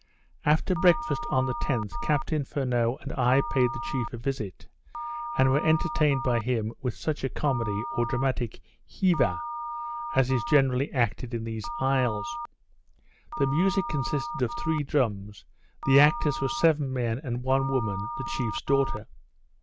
After breakfast, on the 10th, Captain Furneaux and I paid the chief a visit; and we were entertained by him with such a comedy, or dramatic heava, as is generally acted in these isles. The music consisted of three drums, the actors were seven men, and one woman, the chief's daughter.